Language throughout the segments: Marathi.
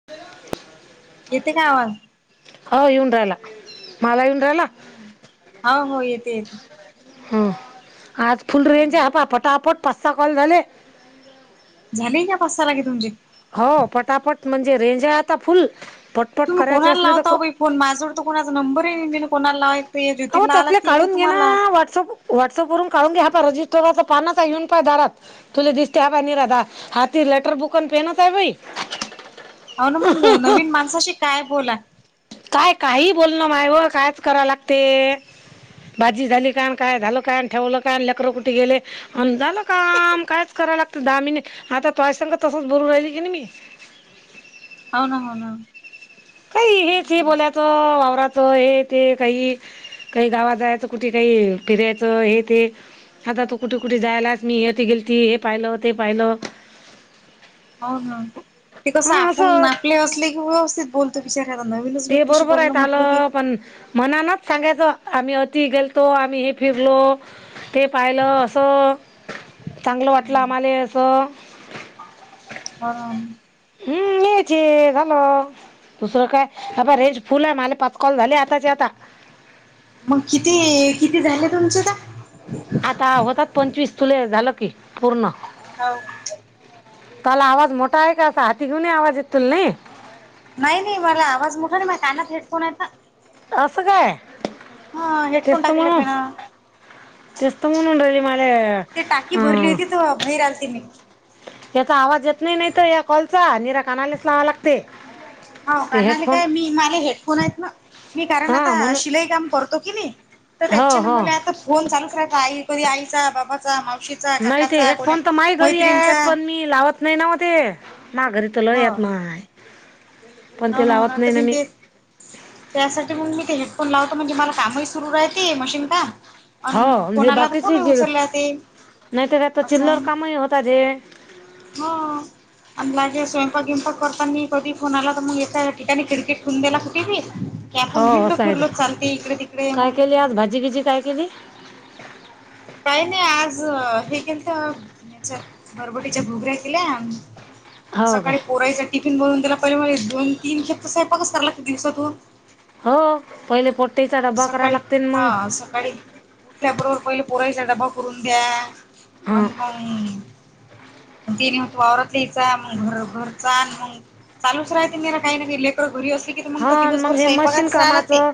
[unintelligible] येते का आवाज? हो, येऊन राहिला. मला येऊन राहिला हम्म् हो हो येते. हं, आज फुल रेंज आहे. हा पहा पटापट पाच-सहा कॉल झाले. झाले ही का, पाच-सहा लगेच तुमचे? हो, पटापट म्हणजे रेंज आहे आता फुल पट तुम्ही कोणाला लावता ओ बाई फोन? माझ्याजवळ तर कोणाचा नंबरही नाही, मी नं कोणाला लावे. आहो, त्यातले काढून घे ना. व्हॉट्सअप व्हॉट्सअप वरून काढून घ्या, हातात रजिस्टरचं पानंच आहे येऊन पहा दारात. तुला दिसते हवा नि राधा, हाती लेटर बुक अन पेनच आहे बाई. हो ना मग, नवीन माणसाशी काय बोला? काय काहीही बोल, नं माय ओ कायच कराय लागते. भाजी झाली का? काय झालं का? ठेवलं का? लेकरं कुठे गेले? हम्म्, झालं काम. कायच करायला लागतं, दहा मिनिट. आता तुझ्या संग, तसंच बोलू राहिल की नाही मी? होना, हो ना. काहीही, हेच हे बोलायचं. वावराचं हे ते काही काही गावाला जायचं कुठे काही फिरायच हे ते. आता तू कुठे कुठे जायलाच, मी हे ते गेलती हे पाहिलं ते पाहिलं. हो ना, ते कसं हा आपण असं आपले असले कि, व्यवस्थित बोल तो. बिचार्याला नवीनच ते व्यक्तीशी बरोबर बोलणं आहेत म्हटलं की आलं पण मनानच सांगायचं. आम्ही इथं गेलतो. आम्ही हे फिरलो. ते पाहिलं असं, चांगलं वाटलं आम्हाला असं. हा. हम्म्, हेच आहे झालं. दुसरं काय हे पहा, रेंज फुल आहे माझे पाच कॉल झाले आताच्या आता. मग किती, किती झाले तुमचे आता? हा, होतात. पंचवीस तुले झालं की पूर्ण. हो. काल आवाज मोठा आहे का असा? तिकडून लई आवाज येतो तुला नाही? नाही नाही. मला आवाज मोठा नाही माझ्या कानात हेडफोन आहे ना. असं काय. हा, हेड फोन तेच तर टाकले म्हणून कानात. तेच तर, म्हणून राहिली. मला ते टाकी भरली अं होती तर बाहेर आलते मी याचा आवाज येत नाही. नाही तर या कॉलचा. त्याला कानालेच लावावा लागते. हो. ते कानाले हेडफोन काय, मी माले हेडफोन आहेत ना. मी कारण हां आता, म्हणून शिलाई काम करतो की नाही. तर हो त्याच्यानं हो मला आता फोन चालूच राहायचा. आई कधी, आईचा बाबाचा, मावशी नाही ते हेडफोन तर माही घरी आहेत, पण मी लावत नाही ना ओ ते. माघारी तुला येत नाय. हाऊ ना आता पण मी तेच त्यासाठी मग मी ते हेडफोन लावतो. म्हणजे मला कामही सुरू राहते मशीन काम अन हो हे फोन आला तर बाकीची फोनही चिल उचलले जाते. नाही तर आता चिल्लर असं कामही होतात हे हं, अन माजे स्वयंपाक बीयपांक करताना कधी फोन आला मग एका ठिकाणी खिडकीत ठिवून देला कुठे बी, की हो आपण हिंडलो असं आहे ते फिरलो चालते इकडे तिकडे काय मग. केली आज भाजी बीजी काय केली? काही नाही. आज हे केलंतं, म्हणजे बरबटीच्या घुगऱ्या केल्या हो काय सकाळी पोरायचा टिफिन बनवून दिला. पहिले मला दोन-तीन खेपा तर सैपाकच कराय लागते दिवसातून. हो. पहिले पोट्टेयचा डब्बा करा सकाळी लागतेन मंग हा सकाळी उठल्याबरोबर पहिले पोरईचा डबा करून द्या. आन हं. मंग ते नही होत वावरतलियचा, मग घर- घरचा आन मग चालूच राहते मेरा काही ना काही. लेकरं घरी असले की तर मग हा तर न दिवसभर मग हे मशीन स्वयंपाकातच राहाय लागते. कामाचं.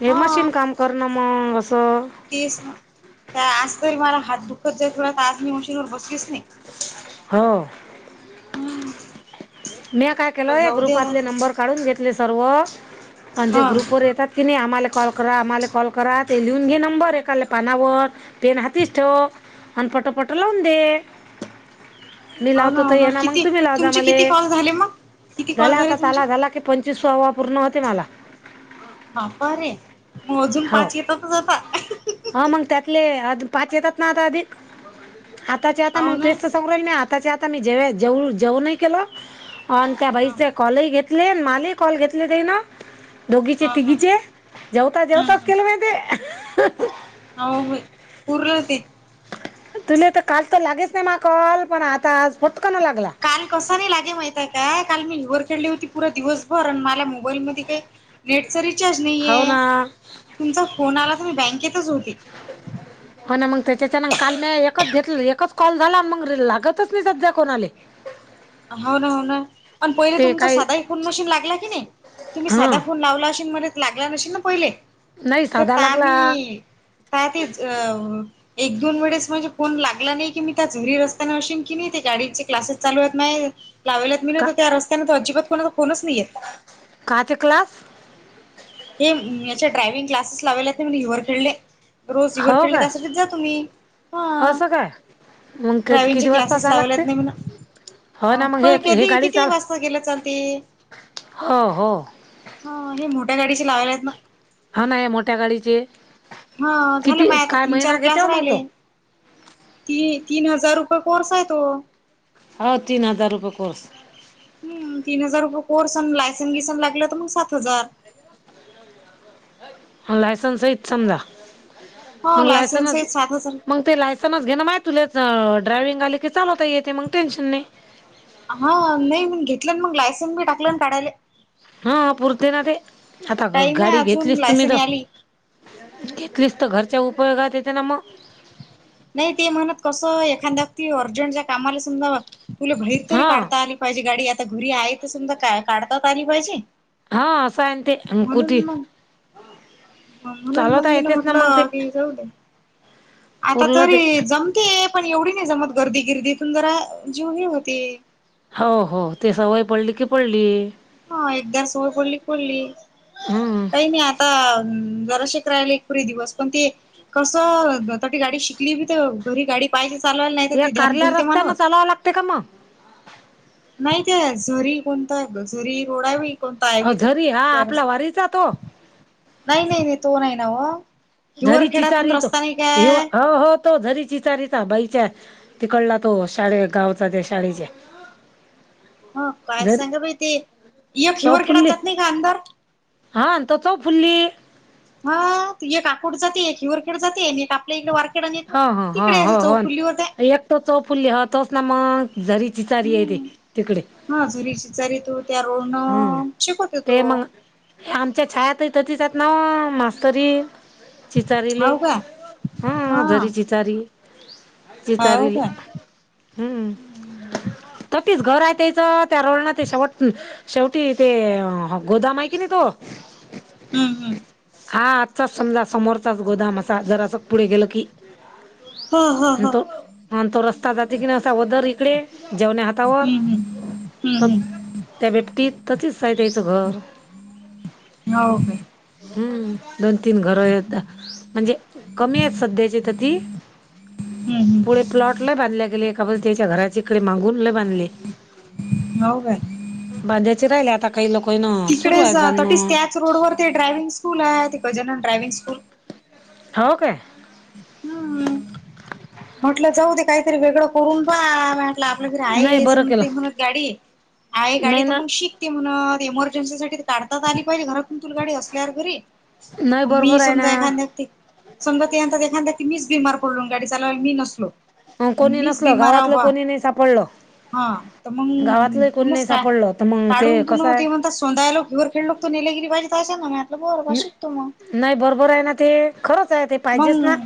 हे मशीन काम करणं मग असं तीस ना आज तरी मला हात दुखत जाईल थोडा तर आज मी मशीनवर बसलीच नाही. हो. हं. म्या काय केलं? या ग्रुपातले नंबर काढून घेतले सर्व. अन जे हा. ग्रुप वर येतात तिने आम्हाला कॉल करा, आम्हाला कॉल करा. ते लिहून घे नंबर एखादल्या पानावर पेन हातीस ठेव अन पटोपटो लावून दे. मी हो लावतो हो त हे ना मग किती तुम्ही लाव जा तुमचे मले. किती कॉल झाले मग किती कॉल झाला झाले आता तुमचे? ताला झाला की पंचवीसवा पूर्ण होते मला. बाप्पा रे! मोजून हो पाच येतातच आता हा मग त्यातले पाच येतात ना आता अधिक. आताचे आता हो मग ते ना. तर सग मी आताच्या आता मी जेव्या- जेउ- जेवणही केलं आणि त्या हा बाईचा कॉलही घेत तीले न माले कॉल घेतली तेयन. दोघीचे हा हा तीघीचे. जेवता जेवताच केलं मी ते. हाऊ बाई. पूर्र ते तुले तर काल तर लागेच नाही महा कॉल. पण आता आज फटकन लागला. काल कस नाही लागे महितय काय? काल मी हिवरखेडली होती पुरा दिवसभर आणि मला मोबाईल मधी काही नेटचा रिचार्ज हो नाहीये. ना तुमचा फोन आला तर मी बँकेतच होती. हो ना. मग त्याच्याच्यान काल मी एकच घेतलं एकच कॉल झाला मग लागतच नही सध्या कोणाले. हो ना हो ना. पण पहिले ते तुमचा काही सादाही फोन कोणाशी लागला की नाही? तुम्ही साधा हां फोन लावला असशेल मले त लागला नशील ना पहिले. नाही तर साधा ता लागला मी ता तिच अ एक दोन वेळेस म्हणजे फोन लागला नाही की मी त्या झरी रस्त्याना अशन की नाही ते गाडीचे क्लासेस चालू आहेत. नाही. लावालेत मी ना का तर त्या रस्त्याने तो अजिबात कोणा फोनच नाही येत. काहाचे क्लास? ते अं याचे, ड्रायव्हिंग क्लासेस लावेलेत मी हिवरखेडले. रोज हो हिवरखेडले काय त्यासाठीच जातू मी. हां. असं काय मग ड्रायव्हिंगचे किती वाजता क्लासेस जावं लावलेत लागते नाही म्हणा हो अं, ना मग हे होय हे कधी गाडी किती चाल वाजता गेलं तर चालते. हो हो हं, हे मोठ्या गाडीचे लावायलेत ना. हा ना या मोठ्या गाडीचे हा झालं किती माय आता काय तीन चार महिना घेते क्लास हो मग राहिले तो ती तीन हजार रुपये कोर्स आहे तो हो तीन हजार रुपये कोर्स हम् तीन हजार रुपये कोर्स अन लायसन घिसन लागलं तर मग सात हजार लायसन सहित समजा हो मग लायसन्स लायसनच आहे सात हजार मंग ते लायसनचं घे ना माहि तुलाच ड्रायविंग आले की चालवता येते मग टेन्शन नाही हा नाही मग घेतलं मग लायसन मी टाकलं काडायले हा हा पुरते ना ते आता टाईम आहे गाडी अजून घेतलीच तुम्ही लायसन तर आली घेतलीच तर घरच्या उपयोगात येते ना मग नाही ते म्हणत कसं एखांद्या वक्ती अगदी अर्जंट ज्या कामाला समजा तुला बहिर तरी हा काढता आली पाहिजे गाडी आता घरी आहे त समजा का काढता तर आली पाहिजे हा असं आहे अन ते कुठे म्हणून मग म्हणून मग मी न येतेच ना मग ते म्हटलं की जाऊ दे आता पुरलं ते तरी जमते पण एवढी नाही जमत गर्दीगिर्दीतून जरा जीव हे होते हो हो ते सवय पडली की पडली हा एकदा सवय पडली की पडली हम्म काही नाही आता जरा शिक राहीली एक पुरगी बसूवून ती कसं आता ती गाडी शिकली बी तर घरी गाडी पाहिजे चालवायला नाही तर ते ध्यान भूलते माणूस ते का मग नाही ते झरी कोणता झरी रोडावी अ झरी हा आपला वारीचा तो नाही नाही नाही तो नाही न्हवं घरी चितारी तो ये हो हो तो घरी चीतारिता बाईच्या तिकडला तो शाळे गावचा त्या शाळेच्या हो काय झरी सांग बाई ते ये खिवर खेडात जात नाही का अंधार हांं [unintelligible] फुल्ली हा ते एक आकोड जाते एक हिवरखेड जाते आणि एक आपल्या इकडे वार हा हा हा हो हो एकट चौफुल्ली हो तोच ना मग झरी चीचारी आहे रे हम्म तिकडे हा जुरी शिचारी तो त्या हम्म रोडन शिकवत तो. ते मग आमच्या छायाताई तिथं येतत ना मास्तरीन. चीचारीले, हाव का हा.. झरी चिचारी, हाव चिचारीलं.. का हम्म हम्म ततीच घर हाय तेच त्या रोडना ते शेवट शेवटी ते गोदाम हाय कणी तो हम्म, हम्म हा आजचाच समजा समोरचाच गोदाम असा जर असं पुढे गेलं की. हो हो आणि हो तो, आणि तो रस्ता जाते की नाही असा वदर इकडे. जेवण्या हातावर हम्म हम्म तर हम्म हम्म त्या बेबटीत तचय त्या्या याचं घर. हो, हो हम्म, दोन- तीन घर येत म्हणजे कमी आहेत सध्याचे पु [unintelligible] हम, हम पुढे प्लॉट ला बांधल्या गेले एका ब त्याच्या घराच्या इकडे मागून ल बांधले? नउ काय? बांधायचे राहिले आता काही लोकाय ना सुरू आहेत बांधणं स रोडवर ड्रायविंग स्कूल हाय ती गजानन ड्रायव्हिंग स्कूल. हो काय? हम्म. म्हटलं जाऊ दे काहीतरी वेगळं करून पहा. आपलं घरी आहे नाही हे बरं केलं समजत्य म्हणत गाडी आहे गाडी नाही त ना म शिक ते म्हण एमर्जन्सीसाठी काढतात आणि पहिल घरातून तुला गाडी असल्यावर घरी नाही म मी बरोबर आहे ना समजा एखाद्या ठिक समजा [unintelligible] एखाद्या मीच बीमार पडलो गाडी चावायला मी नसलो आ कोणी मीच नसल बिमार आहो गावातलं बा कोणी नाइ सापलं हा त म तूनच का सापडलं तर मग काढून ते तून कसं आहे ते म्हणत सोंदाय वर [inaudible] नाही बरोबर हाय ना ते खरंच आहे ते पाहिजेच ना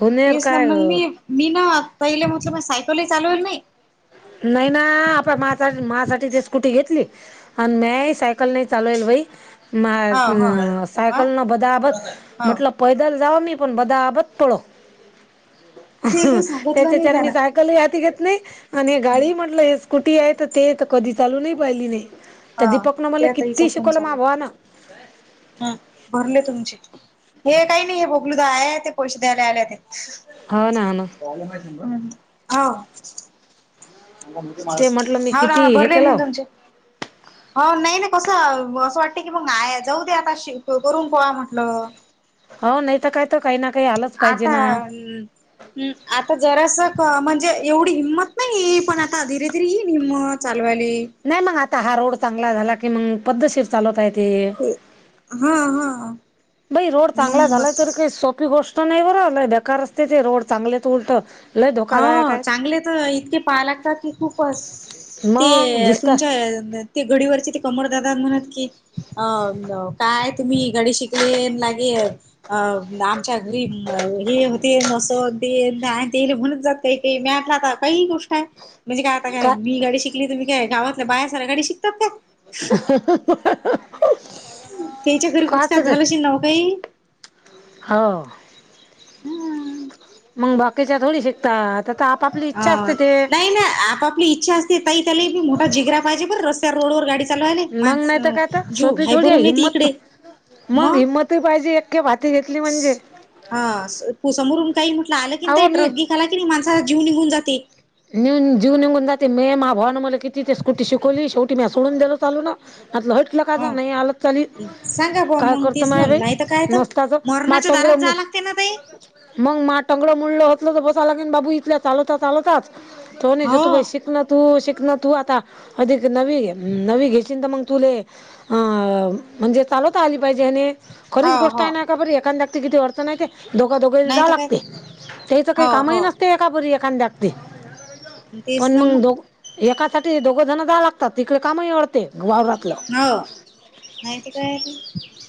हुनेर म मी मी मीना पहिले म्हटलं सायकल चालवली नाही नाइ ना आपण माझा माझ्यासाठी ते स्कुटी घेतली. आणि नाय सायकल नाही चालवली बाई हा मायात हा नं हा सायकल न बदाबद हो म्हटलं. पैदल जाव मी पण बदाबद पळो ते काही त्याच सांगितलं नाही त्यान मी [unintelligible] घेतली आणि गाडी म्हटलं हे स्कुटी आहे ते कधी चालूनही पाहिली नाही. त हा दिपकन मला त्या किती शिकवल माग वाना हम्म भरले तुमचे हे काही नाही हे बबलूदा हाय ते पैसे द्यायला यायल्याते. हो ना ना. हम्म हा. ते म्हटलं मी हौ ना किती हे भरले मी केलं तुमचे. हो नाही ना कसं असं वाटतय की म नाय जाऊ दे आता [unintelligible] करून कोळा म्हटलं. हो नाइ त काय त काही ना काही आलं आता अन हम्म आता जरास क म्हणजे एवढी हिंमत नाही पण आता धीरे धीरे येईल हिंमत चालवाली नाइ म आता हा रोड चांगला झाला की मगं पद्धतशीर चालवता येते. हो हा हा. बाई रोड चांगला झाला तरी मग काही सोपी गोष्ट नाइ बरं लय बेकार असते ते रोड चांगलेत उलट लय धोकादायक हं आहेत चांगले त इतके पाहा लागतात की खूपस ते मग दिसत तुमच्या ते घडीवरचे ते कमरदादा म्हणत की अन काय तुम्ही घडी शिकले लागे अ आमच्या घरी मं हे तेन नस तेन [unintelligible] [unintelligible] काहीही गोष्टाय म्हणजे काय आता काय का मी गाडी शिक [unintelligible] तुम्ही काय गावातल्या बाह्या साऱ्या गाडी शिकतात का? तेच्या घरी काच कुचकाच ग झाला [unintelligible] काही हो. म बाकीच्या गाडी शेक ता आता तापा हं नाही ना आपापली इच्छा ते ताई त्यालिही मोठा जिगरा पाहिजे बरं रस्त्यावर रोडवर गाडी कल्याने मग नाही तर माणसं काय अ तर जीव सोपी हाय थोडी आहे भरून ती येते हिंमत इकडे. मग हिंमतही पाहिजे एखे भाती घेतली म्हणजे. हा समोरून काही म्हटलं आलं की अहो नाही मी ट्रक बिक आला कि नाही माझा जीव निघून जाते. नेऊन जीव निघून जाते मे मा भावान मला किती ते स्कूटी शिकवली शेवटी मी सोडून दिलो चालू ना. आतलं हट. कलं काझ ह नाही आलंत चालील सांगा बुवा काय मग करत तेच माय ना बाई नाही नसताच माटंगड म ''--'' ते ना बाई. मग म टोंगर मुडलं होतलं तर बाबू इथल्या चालता चालवताच तो नाही हो जतू भाई शिकलात. तू शिकण तू आता अधिक नवी नवी घेतली तर मग तुले. अ म्हणजे चालवता आली पाहिजे खरीच हो गोष्ट हो आहे ना का बरी एखाद्याला किती अडचण आहे ते. दोघा दोघे नाही जाव तर काय लागते त्याच काही हो कामही हो नसते एका बरी एखाद्या गते. तेच पण ना मग दो एकासाठी दोघं जण जाय लागतात तिकडे कामही अडते वावरातलं. हो नाहीत काय आता.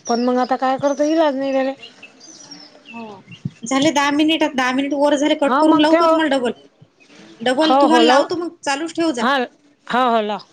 पण मग आता काय करत इलाज नाही झाले. हो झाले दहा मिनिट दहा मिनिट वर झाले. कट हा करून मग लावू का ठेव तुम्हाला डबल डबल हो हो तुम्हाला लव लावतो मग चालूच ठेव जा. हा हो हो, लाव.